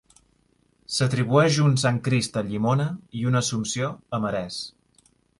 S'atribueix un Sant Crist a Llimona i una Assumpció a Marès.